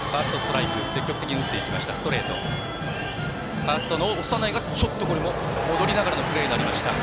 ファーストの長内が戻りながらのプレーとなりました。